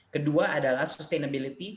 kedua adalah sustainability